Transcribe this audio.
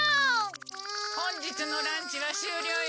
本日のランチは終了よ。